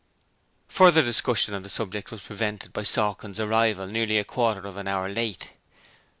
Further discussion on this subject was prevented by Sawkins' arrival, nearly a quarter of an hour late.